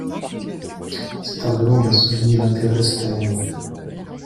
Cet argument vient souligner l’intérêt de cet amendement.